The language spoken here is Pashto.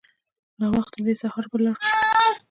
ناوخته دی سهار به لاړ شو.